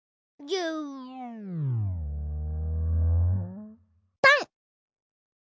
ぎゅぱん！